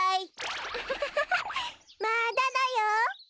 アハハハハまだだよ。